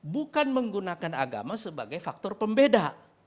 bukan menggunakan agama sebagai faktor pembeda